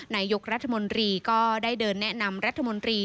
นายกรัฐมนตรีก็ได้เดินแนะนำรัฐมนตรี